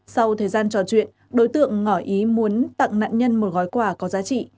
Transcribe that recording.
sau thời gian trò chuyện đối tượng ngỏ ý muốn tặng nạn nhân một gói quà có giá trị